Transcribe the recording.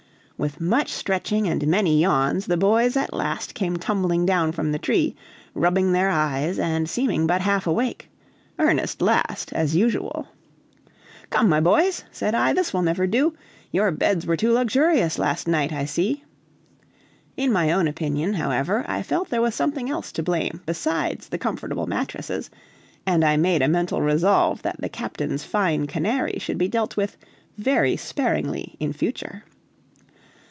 With much stretching and many yawns, the boys at last came tumbling down from the tree, rubbing their eyes and seeming but half awake; Ernest last, as usual. "Come, my boys," said I, "this will never do! Your beds were too luxurious last night, I see." In my own opinion, however, I felt there was something else to blame besides the comfortable mattresses, and I made a mental resolve that the captain's fine Canary should be dealt with very sparingly in future.